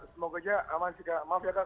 semoga saja aman sih kak maaf ya kak